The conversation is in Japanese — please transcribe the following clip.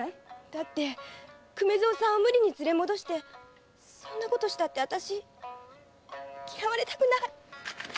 だって粂蔵さんを無理に連れ戻してそんなことしたってあたし嫌われたくない！